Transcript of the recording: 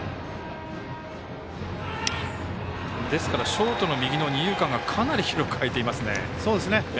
ショートの右の二遊間がかなり広くあいていますね。